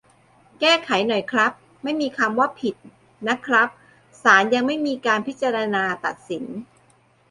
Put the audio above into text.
แก้ไขหน่อยครับ ไม่มีคำว่า "ผิด" นะครับ ศาลยังไม่มีการพิจารณาตัดสิน